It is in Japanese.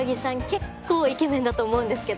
結構イケメンだと思うんですけど。